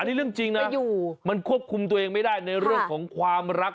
นี่เรื่องจริงนะมันควบคุมตัวเองไม่ได้ในเรื่องของความรัก